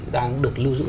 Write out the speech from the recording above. đang được lưu giữ